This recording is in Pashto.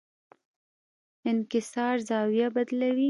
انکسار زاویه بدلوي.